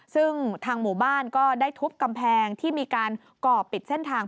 ซึ่งทางหมู่บ้านก็ได้ทุบกำแพงที่มีการก่อปิดเส้นทาง